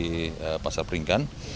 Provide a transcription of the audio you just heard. dari pasar peringkat